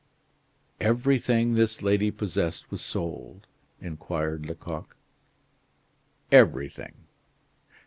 "Everything this lady possessed was sold?" inquired Lecoq. "Everything."